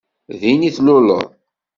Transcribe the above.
Din i tluleḍ?